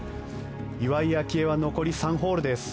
岩井明愛は残り３ホールです。